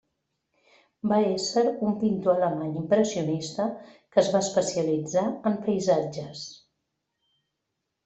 Va ésser un pintor alemany impressionista que es va especialitzar en paisatges.